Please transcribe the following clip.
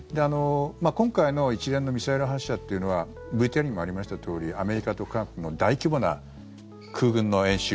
今回の一連のミサイル発射というのはＶＴＲにもありましたとおりアメリカと韓国の大規模な空軍の演習